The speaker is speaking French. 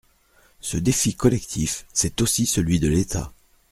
Ce défi collectif, c’est aussi celui de l’État.